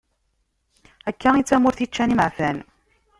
Akka i d tamurt ččan imeɛfan.